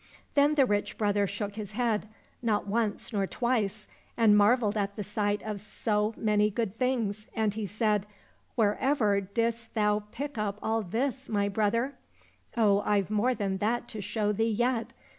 — Then the rich brother shook his head, not once nor twice, and marvelled at the sight of so many good things, and he said, " Wherever didst thou pick up all this, my brother ?"—" Oh ! I've more than that to show thee yet.